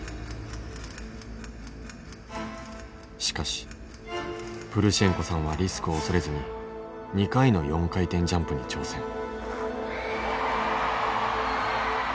しかしプルシェンコさんはリスクを恐れずに２回の４回転ジャンプに挑戦。